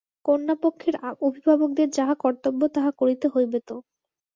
কন্যাপক্ষের অভিভাবকদের যাহা কর্তব্য তাহা করিতে হইবে তো।